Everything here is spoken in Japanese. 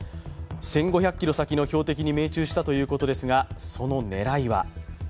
１５００ｋｍ先の標的に命中したということですが、その狙いは。